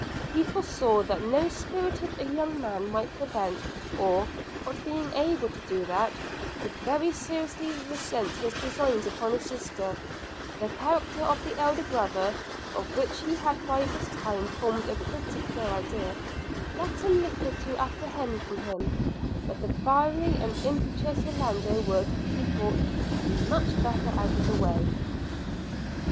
He forsaw that so spirited a young man might prevent, or, not being able to do that, would very seriously resent his designs upon a sister: the character of the elder brother, of which he had by this time formed a pretty clear idea, left him little to apprehend from him; but the fiery and impetuous Orlando would, he thought, be much better out of the way.